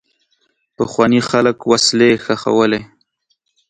پخواني خلک وسلې ښخولې.